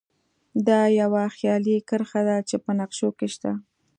دا یوه خیالي کرښه ده چې په نقشو کې شته